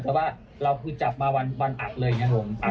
แต่ว่าเราคือจับมาวันอัดเลยอย่างนี้ครับผม